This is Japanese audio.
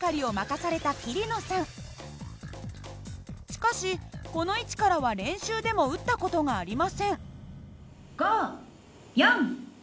しかしこの位置からは練習でも撃った事がありません。